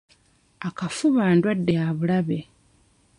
Akafuba ndwadde ya bulabe.